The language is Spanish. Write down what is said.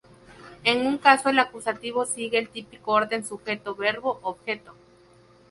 En un caso el acusativo sigue el típico orden sujeto-verbo-objeto.